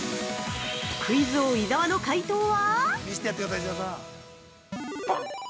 ◆クイズ王・伊沢の解答は？